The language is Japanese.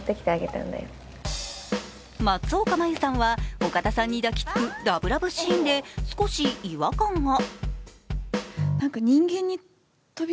松岡茉優さんは岡田さんに抱きつくラブラブシーンで少し違和感が。